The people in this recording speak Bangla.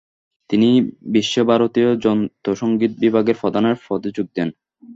তিনি বিশ্বভারতীর যন্ত্রসঙ্গীত বিভাগের প্রধানের পদে যোগ দেন।